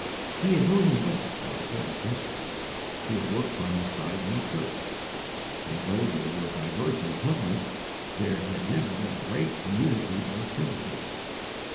"_ He had known him well for a quarter century; he had worked by his side in the church; and though they were diverse in temperament, there had never been a break in unity or sympathy.